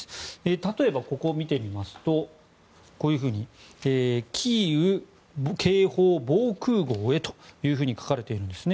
例えばここ、見てみますとキーウ、警報、防空壕へと書かれているんです。